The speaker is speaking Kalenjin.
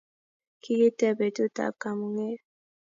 Kikiite betut ab kamunget